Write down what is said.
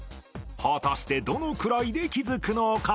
果たしてどのくらいで気づくのか？